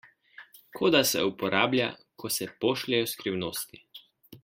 Koda se uporablja, ko se pošljejo skrivnosti.